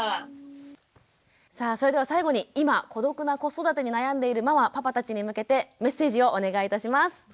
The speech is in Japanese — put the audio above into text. さあそれでは最後に今孤独な子育てに悩んでいるママパパたちに向けてメッセージをお願いいたします。